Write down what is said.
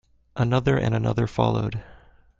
Another and another followed.